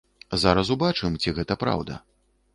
Зараз убачым, ці гэта праўда.